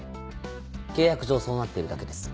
契約上そうなってるだけです。